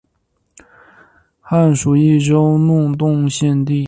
汉属益州弄栋县地。